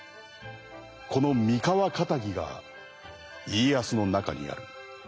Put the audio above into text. この三河かたぎが家康の中にある。